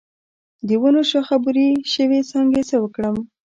د ونو شاخه بري شوي څانګې څه کړم؟